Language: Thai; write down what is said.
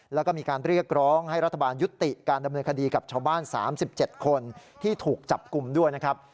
แล้วก็มีการเรียกร้องให้รัฐบาลยุติการดำเนินคดีกับชาวบ้าน๓๗คนที่ถูกจับกลุ่มด้วยนะครับ